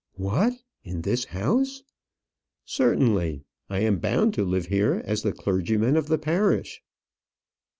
"What! in this house?" "Certainly. I am bound to live here, as the clergyman of the parish."